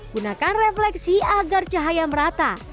gunakan refleksi agar cahaya merata